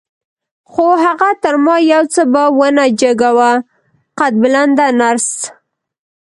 خو هغه تر ما یو څه په ونه جګه وه، قد بلنده نرس.